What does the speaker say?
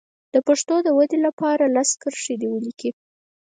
د پښتو د ودې په اړه لس کرښې دې ولیکي.